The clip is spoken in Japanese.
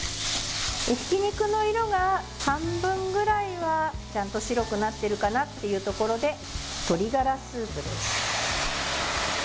ひき肉の色が半分くらいはちゃんと白くなってるかなっていうところで鶏がらスープです。